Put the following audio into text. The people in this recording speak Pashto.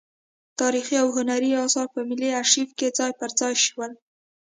تاریخي او هنري اثار په ملي ارشیف کې ځای پر ځای شول.